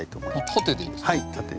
縦でいいですね。